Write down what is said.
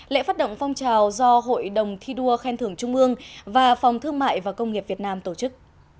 lễ phát động phong trào do hội đồng thi đua khen thưởng trung ương và phòng thương mại và công nghiệp việt nam tổ chức